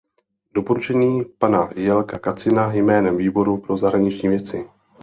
Doporučení pana Jelka Kacina jménem Výboru pro zahraniční věci.